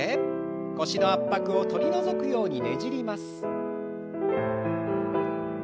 腰の圧迫を取り除くようにねじります。